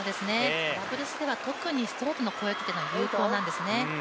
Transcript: ダブルスでは特にストレートでの攻撃が有効なんですね。